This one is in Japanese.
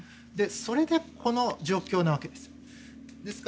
それで、この状況なわけです。